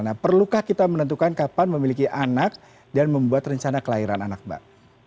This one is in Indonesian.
nah perlukah kita menentukan kapan memiliki anak dan membuat rencana kelahiran anak mbak